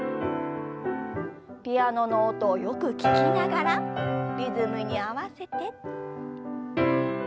ピアノの音をよく聞きながらリズムに合わせて。